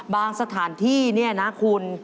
บางสถานที่นี่นะคุณ